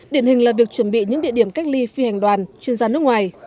điển hình là việc chuẩn bị những địa điểm cách ly phi hành đoàn chuyên gia nước ngoài